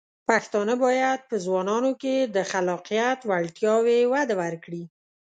پښتانه بايد په ځوانانو کې د خلاقیت وړتیاوې وده ورکړي.